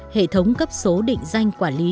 hệ thống cấp số định danh quản lý